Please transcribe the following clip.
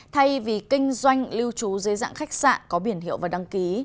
thay vì kinh doanh lưu trú dưới dạng khách sạn có biển hiệu và đăng ký